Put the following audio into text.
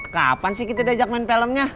kapan sih kita di ajak main filmnya